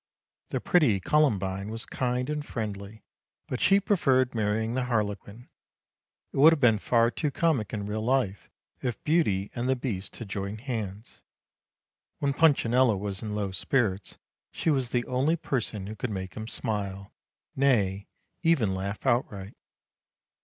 The pretty Columbine was kind and friendly, but she preferred marrying the Harlequin. It would have been far too comic in real life if Beauty and the Beast had joined hands. When Punchinello was in low spirits she was the only person who could make him smile, nay, even laugh outright.